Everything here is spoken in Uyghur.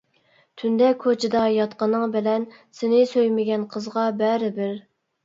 تۈندە كوچىدا ياتقىنىڭ بىلەن، سېنى سۆيمىگەن قىزغا بەرىبىر.